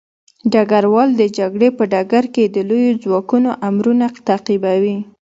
ډګروال د جګړې په ډګر کې د لويو ځواکونو امرونه تعقیبوي.